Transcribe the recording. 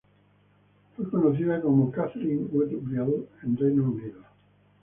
Fue conocida como Catherine Woodville en Reino Unido.